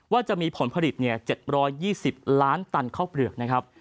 จะมีผลผลิต๗๒๐ล้านตันข้าวเปลือกนะครับ